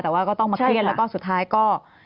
แต่ว่าก็ต้องมาเครียดแล้วก็สุดท้ายก็